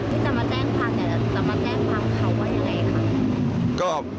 จะมาแจ้งพังเขาว่าอย่างไรครับ